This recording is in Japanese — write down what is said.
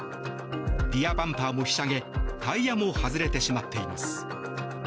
リアバンパーもひしゃげタイヤも外れてしまっています。